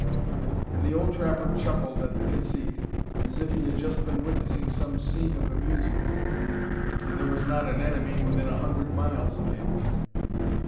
And the old trapper chuckled at the conceit, as if he had just been witnessing some scene of amusement, and there was not an enemy within a hundred miles of him.